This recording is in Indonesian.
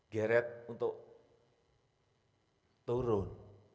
geret untuk turun